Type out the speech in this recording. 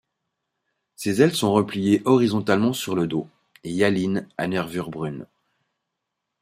Ses ailes sont repliées horizontalement sur le dos, hyalines à nervures brunes.